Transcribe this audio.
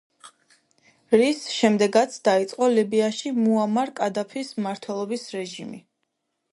რის შემდეგაც დაიწყო ლიბიაში მუამარ კადაფის მმართველობის რეჟიმი.